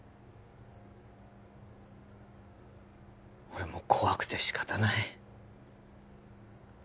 俺も怖くてしかたない